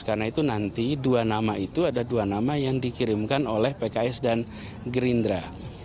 karena itu nanti dua nama itu ada dua nama yang dikirimkan oleh pks dan gerindra